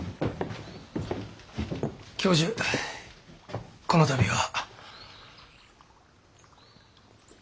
教授この度は。